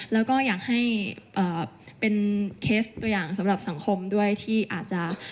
แล้วก็อยากให้เป็นเคสตัวอย่างสำหรับสังคมด้วยที่อาจจะ